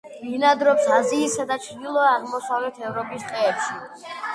ბინადრობს აზიისა და ჩრდილო-აღმოსავლეთ ევროპის ტყეებში.